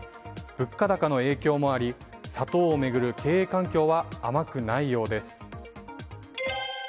物価高の影響もあり砂糖を巡る経営環境は甘くないようです。